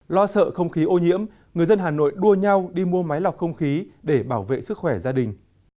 lo sợ không khí ô nhiễm người dân hà nội đua nhau đi mua máy lọc không khí để bảo vệ sức khỏe gia đình